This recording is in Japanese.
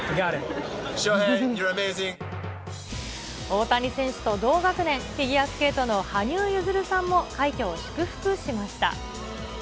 大谷選手と同学年、フィギュアスケートの羽生結弦さんも、快挙を祝福しました。